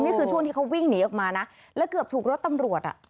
นี่คือช่วงที่เขาวิ่งหนีออกมานะแล้วเกือบถูกรถตำรวจอ่ะ